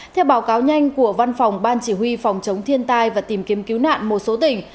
theo báo cáo nhanh của văn phòng ban chỉ huy phòng chống thiên tai và tìm kiếm cứu nạn một số tỉnh